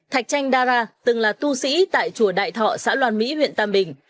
thạch chanh dara từng là tu sĩ tại chùa đại thọ xã loan mỹ huyện tam bình